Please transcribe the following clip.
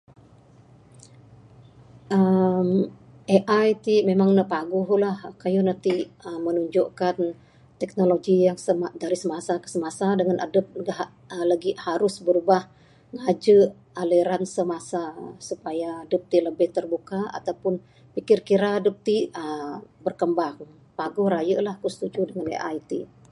uhh AI ti memang ne paguhla kayuh ne ti menunjukkan teknologi yang dari masa dari semasa dangan adep da lagi harus berubah, ngajek aliran semasa supaya adep ti lebih terbuka ato pun pikir kira dep ti uhh berkembang. Paguh raye la aku bersetuju dangan AI ti.